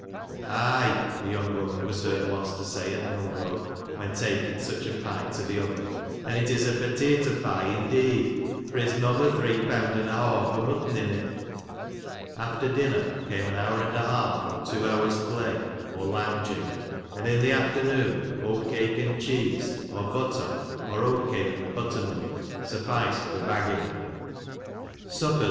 Aye," a young woman was heard once to say at Milnrow, when taking such a pie to the oven, " an it is a pottito pie indeed, for its nobbo three peawnd an a hawve o* muttn in it. After dinner came an hour and a half, or two hours play, or lounging ; and in the afternoon, oat cake and cheese, or butter, or oat cake and butter milk, sufficed for bagging ; suppers X.